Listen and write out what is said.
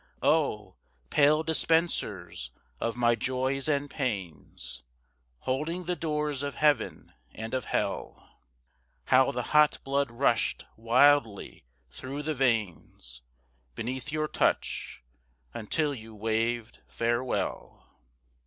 Oh, pale dispensers of my Joys and Pains, Holding the doors of Heaven and of Hell, How the hot blood rushed wildly through the veins Beneath your touch, until you waved farewell.